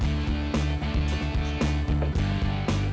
aku bisa sendiri they